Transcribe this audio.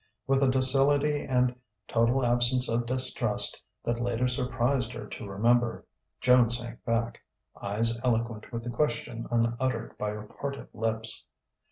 With a docility and total absence of distrust that later surprised her to remember, Joan sank back, eyes eloquent with the question unuttered by her parted lips.